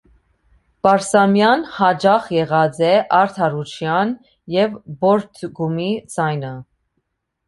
Պարսամեան յաճախ եղած է արդարութեան եւ պոռթկումի ձայնը։